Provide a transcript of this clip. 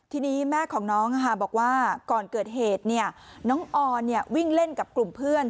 ทีนี้แม่ของน้องบอกว่าก่อนเกิดเหตุน้องออนวิ่งเล่นกับกลุ่มเพื่อน